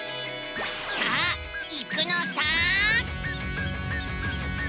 さあ行くのさ！